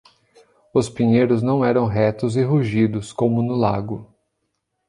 Os pinheiros não eram retos e rugidos, como no lago.